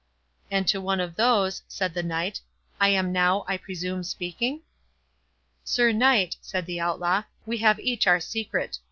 "And to one of those," said the Knight, "I am now, I presume, speaking?" "Sir Knight," said the Outlaw, "we have each our secret.